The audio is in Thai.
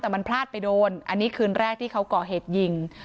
แต่มันพลาดไปโดนอันนี้คืนแรกที่เขาก่อเหตุยิง